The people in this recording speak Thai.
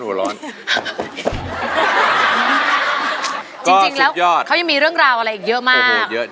จริงแล้วยอดเขายังมีเรื่องราวอะไรอีกเยอะมาก